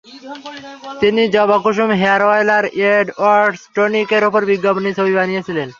তিনি 'Jabakusum hair oil' আর 'Edwards টনিক'-এর ওপর বিজ্ঞাপনী ছবি বানিয়েছিলেন।